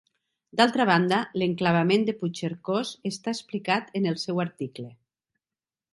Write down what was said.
D'altra banda, l'enclavament de Puigcercós està explicat en el seu article.